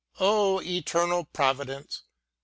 Oh eternal Providence !